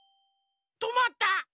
とまった。